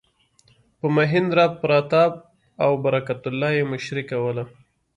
چې مهیندراپراتاپ او برکت الله یې مشري کوله.